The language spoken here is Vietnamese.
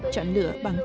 chọn lửa bằng lò